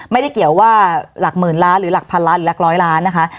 ไม่ได้เกี่ยวว่าหลักหมื่นล้านหรือหลักพันล้านหรือหลักร้อยล้านนะคะ